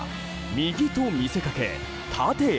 右と見せかけ縦へ。